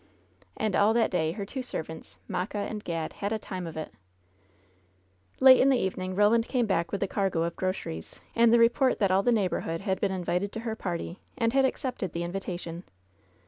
And all that day her two servants, Mocka and Gad, had a time of it I Late in the evening Roland came back with a cargo of groceries, and the report that all the neighborhood had been invited to her party, and had accepted the invitation.